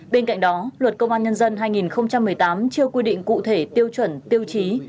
bên cạnh đó luật công an nhân dân hai nghìn một mươi tám chưa quy định cụ thể tiêu chuẩn tiêu chí